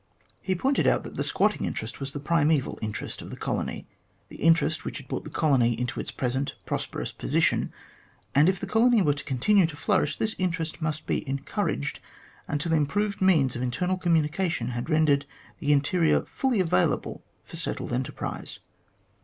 He pointed out that the squatting interest was the primeval interest of the colony, the interest which had brought the colony into its present prosperous position, and if the colony were to continue to flourish, this interest must be encouraged until improved means of internal communication had rendered the interior fully available for settled enterprise.